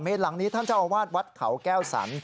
หลังนี้ท่านเจ้าอาวาสวัดเขาแก้วสัน